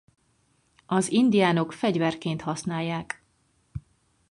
Az indiánok fegyverként használják.